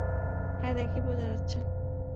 হ্যাঁ, দেখেই বোঝা যায়।